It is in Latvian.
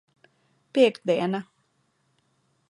Piektdiena.